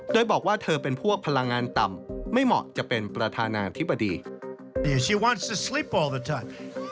โดยบอกว่าเธอเป็นพวกพลังงานต่ำไม่เหมาะจะเป็นประธานาธิบดีบีชิวัน